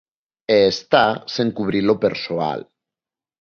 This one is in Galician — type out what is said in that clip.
E está sen cubrir o persoal.